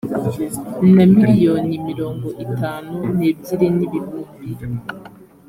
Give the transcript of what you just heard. na miliyoni mirongo itanu n’ebyiri n’ibihumbi